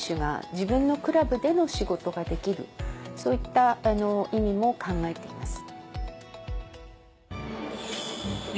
そういった意味も考えています。